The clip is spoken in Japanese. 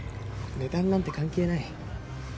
値段なんて関係ない。